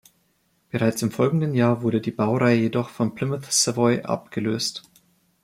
Bereits im folgenden Jahr wurde die Baureihe jedoch vom Plymouth Savoy abgelöst.